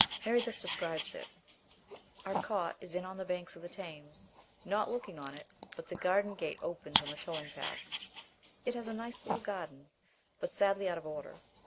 Mary thus describes it :" Our cot is on the banks of the Thames, not looking on it, but the garden gate opens on the towing path. It has a nice little garden, but sadly out of order.